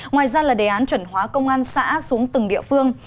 ngoài ra là đề án chuẩn hóa công an xã xuống từng địa phương